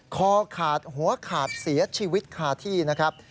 คอขาดหัวขาดเสียชีวิตคาที่นะครับ